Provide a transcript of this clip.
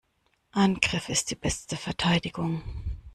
Angriff ist die beste Verteidigung.